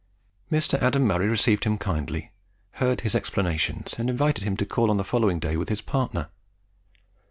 Mr. Adam Murray received him kindly, heard his explanations, and invited him to call on the following day with his partner.